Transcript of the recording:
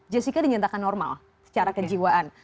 jessica dinyatakan normal secara kejiwaan